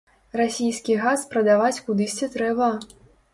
Расійскі газ прадаваць кудысьці трэба.